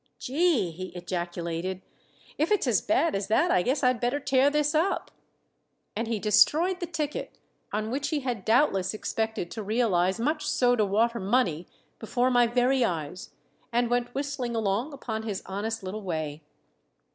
"Gee!" he ejaculated. "If it's as bad as that, I guess I'd better tear this up." And he destroyed the ticket on which he had doubtless expected to realize much soda water money before my very eyes, and went whistling along upon his honest little way.